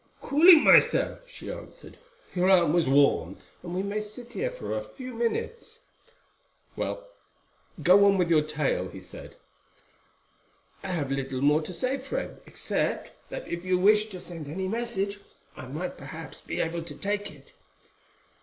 "Cooling myself," she answered; "your arm was warm, and we may sit here for a few minutes." "Well, go on with your tale," he said. "I have little more to say, friend, except that if you wish to send any message, I might perhaps be able to take it."